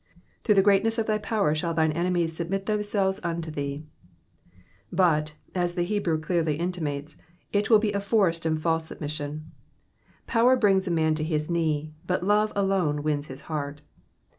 ^''Through the greatness of thy power shall tdne enemies submit t/iemselves nnto thee ;'''' but, as the Hebre^y clearly intimates, it will be a forced and false submission. Power brings a man to his knee, but love alone wins his heart.